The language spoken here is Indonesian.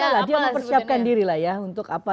iya dia mempersiapkan diri lah ya untuk apa